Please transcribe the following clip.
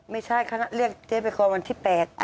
ไม่ใช่คณะเรียกเจ๊ไปก่อนวันที่๘